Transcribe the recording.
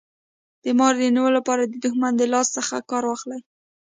د مار د نیولو لپاره د دښمن د لاس څخه کار واخله.